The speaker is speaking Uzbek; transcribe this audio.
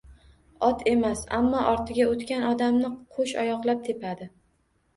Ot emas, ammo ortiga o’tgan odamni qo’sh oyoqlab tepadi.